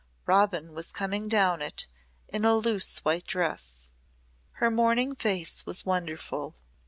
Robin was coming down it in a loose white dress. Her morning face was wonderful.